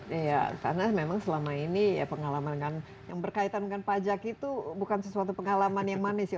iya karena memang selama ini ya pengalaman kan yang berkaitan dengan pajak itu bukan sesuatu pengalaman yang manis ya